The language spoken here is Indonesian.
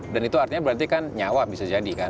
dan itu artinya berarti kan nyawa bisa jadi kan